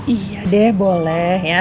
iya deh boleh ya